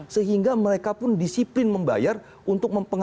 sehingga mereka pun disiplin membayar untuk membantu cash plonya berapa